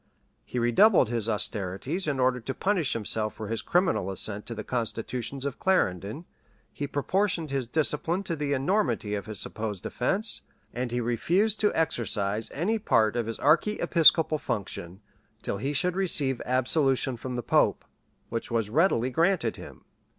He redoubled his austerities in order to punish himself for his criminal assent to the constitutions of Clarendon: he proportioned his discipline to the enormity of his supposed offence: and he refused to exercise any part of his archiepiscopal function, till he should receive absolution from the pope, which was readily granted him.